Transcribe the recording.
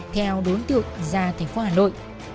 theo đối tượng ra thành phố hà nội